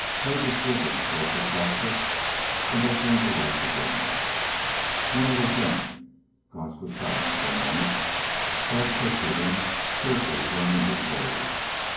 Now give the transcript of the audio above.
Crag was swiveling toward Prochaska when they came to life again. "One other thing." Gotch was silent for a moment. Crag pictured him carefully framing his words.